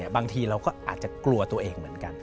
บางทีเราก็อาจจะกลัวตัวเองเหมือนกัน